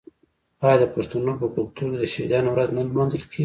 آیا د پښتنو په کلتور کې د شهیدانو ورځ نه لمانځل کیږي؟